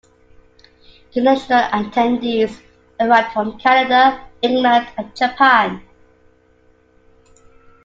International attendees arrived from Canada, England and Japan.